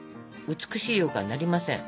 美しいようかんになりません。